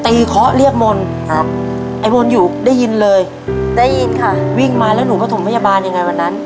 ตีเคาะเรียกมนต์ไอ้มนต์อยู่ได้ยินเลยวิ่งมาแล้วหนูก็ถมพยาบาลยังไงวันนั้น